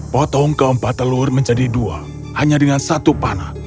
potong keempat telur menjadi dua hanya dengan satu panah